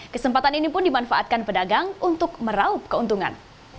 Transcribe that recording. kesempatan ini pun dimanfaatkan pedagang untuk meraup keuntungan